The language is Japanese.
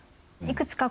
いくつか